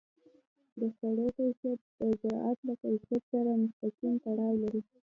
د خوړو کیفیت د زراعت له کیفیت سره مستقیم تړاو لري.